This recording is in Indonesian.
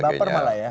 jangan baper malah ya